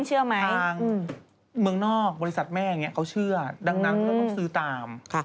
เชื่อไหมทางเมืองนอกบริษัทแม่อย่างนี้เขาเชื่อดังนั้นเราต้องซื้อตาม